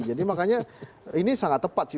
jadi makanya ini sangat tepat sih